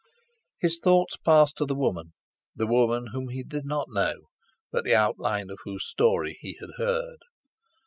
His thoughts passed to the woman, the woman whom he did not know, but the outline of whose story he had heard.